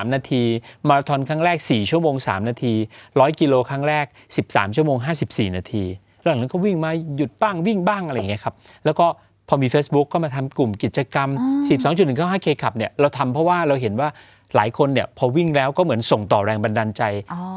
นาทีมาราทอนครั้งแรกสี่ชั่วโมงสามนาทีร้อยกิโลครั้งแรกสิบสามชั่วโมงห้าสิบสี่นาทีหลังนั้นก็วิ่งมาหยุดปั้งวิ่งบ้างอะไรอย่างเงี้ยครับแล้วก็พอมีเฟสบุ๊คก็มาทำกลุ่มกิจกรรมสี่สองจุดหนึ่งเก้าห้าเคขับเนี้ยเราทำเพราะว่าเราเห็นว่าหลายคนเนี้ยพอวิ่งแล้วก็เหมือนส่งต่อแรงบันดาลใจ